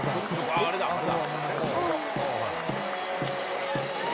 「あっあれだあれだ」